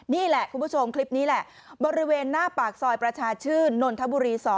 นี่แหละคุณผู้ชมคลิปนี้แหละบริเวณหน้าปากซอยประชาชื่นนนทบุรี๒